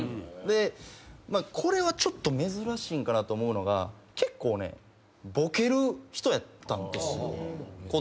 でこれはちょっと珍しいんかなと思うのが結構ねボケる人やったんですよ